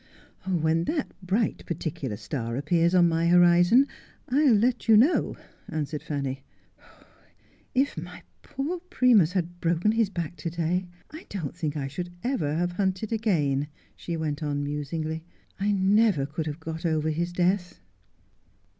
' When that bright particular star appears on my horizon I will let you know,' answered Fanny. ' If my poor Primus had broken his back to day I don't think I should ever have hunted again,' she went on musingly. ' I never could have got over his death.'